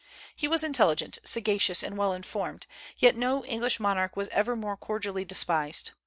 He was intelligent, sagacious, and well informed; yet no English monarch was ever more cordially despised.